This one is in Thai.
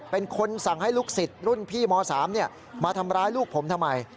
เป็นคนสั่งให้ลูกศิษย์รุ่นพี่ม๓มาทำร้ายลูกผมทำไม